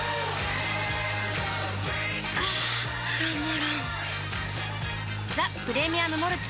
あたまらんっ「ザ・プレミアム・モルツ」